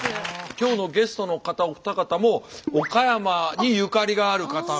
今日のゲストの方お二方も岡山にゆかりがある方々。